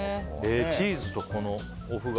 チーズとお麩が。